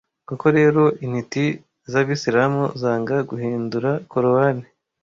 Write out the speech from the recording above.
Koko rero, intiti z’Abisilamu zanga guhindura Korowani